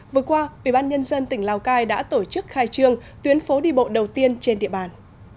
vừa qua ubnd tỉnh lào cai đã tổ chức khai trương tuyến phố đi bộ đầu tiên trên địa bàn